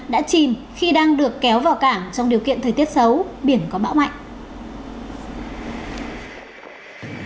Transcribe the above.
đã chìm khi đang được kéo vào cảng trong điều kiện thời tiết xấu biển có bão mạnh